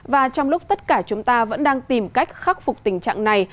và trong lúc tất cả chúng ta vẫn đang tìm cách khắc phục tình trạng này